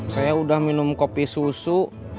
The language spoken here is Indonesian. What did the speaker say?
saya udah minum kopi susu